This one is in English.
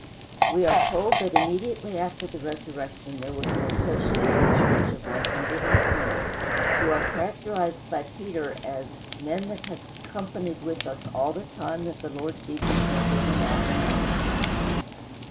We are told that immediately after the resurrection there was an associated church of one hundred and twenty, who are characterized by Peter as "men that have companied with us all the time that the Lord Jesus went in and out among us."